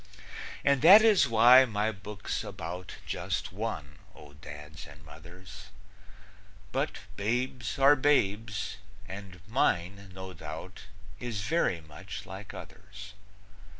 And that is why my book's about Just one, O Dads and Mothers; But babes are babes, and mine, no doubt, Is very much like others.